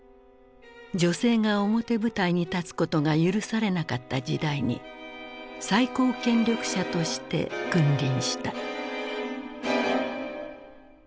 女性が表舞台に立つことが許されなかった時代に最高権力者として君臨した。